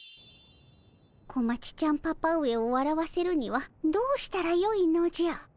小町ちゃんパパ上をわらわせるにはどうしたらよいのじゃ。